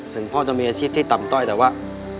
ถึงพ่อจะมีอาชีพที่ต่ำต้อยแต่ว่า